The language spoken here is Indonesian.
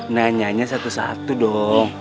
nanyanya satu satu dong